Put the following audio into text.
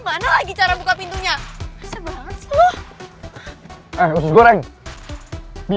nanti dia malah risih lagi